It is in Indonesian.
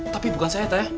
tapi bukan saya eta ya